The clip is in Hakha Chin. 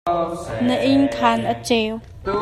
Na inn khaan a ceu.